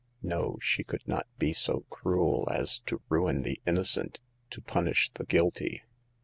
No, she could not be so cruel as to ruin the inno cent to punish the guilty.